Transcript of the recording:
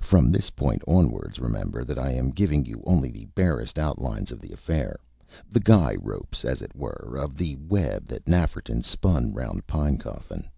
From this point onwards, remember that I am giving you only the barest outlines of the affair the guy ropes, as it were, of the web that Nafferton spun round Pinecoffin.